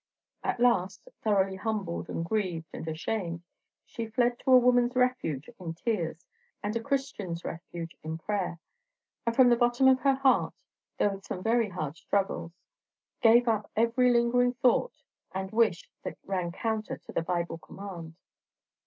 At last, thoroughly humbled and grieved and ashamed, she fled to a woman's refuge in tears, and a Christian's refuge in prayer; and from the bottom of her heart, though with some very hard struggles, gave up every lingering thought and wish that ran counter to the Bible command.